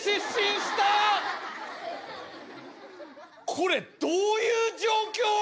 これどういう状況？